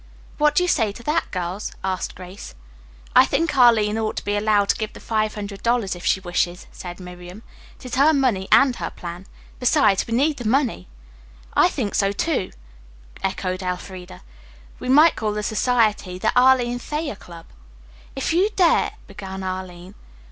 "What do you say to that, girls?" asked Grace. "I think Arline ought to be allowed to give the five hundred dollars if she wishes," said Miriam. "It is her money and her plan. Besides, we need the money!" "I think so, too," echoed Elfreda. "We might call the society the 'Arline Thayer Club.'" "If you dare " began Arline.